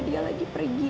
dia lagi pergi